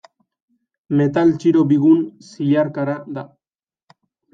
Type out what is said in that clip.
Metal txiro bigun zilarkara da.